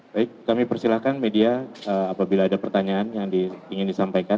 baik kami persilahkan media apabila ada pertanyaan yang ingin disampaikan